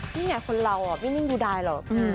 นี่ไงคนเราไม่นิ่งดูดายหรอก